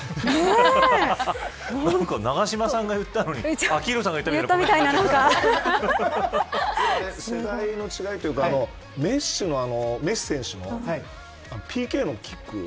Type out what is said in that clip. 永島さんがいったのに昭浩さんが言ったみたいに世代の違いというかメッシ選手のＰＫのキック。